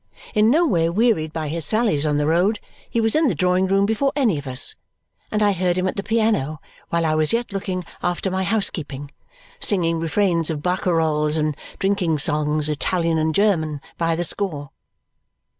In no way wearied by his sallies on the road, he was in the drawing room before any of us; and I heard him at the piano while I was yet looking after my housekeeping, singing refrains of barcaroles and drinking songs, Italian and German, by the score.